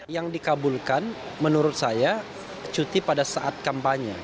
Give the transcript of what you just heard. yang dikabulkan menurut saya cuti pada saat kampanye